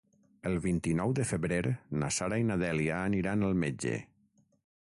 El vint-i-nou de febrer na Sara i na Dèlia aniran al metge.